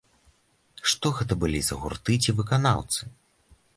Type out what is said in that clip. Што гэта былі за гурты ці выканаўцы?